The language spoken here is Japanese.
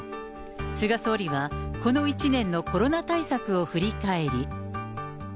菅総理は、この１年のコロナ対策を振り返り。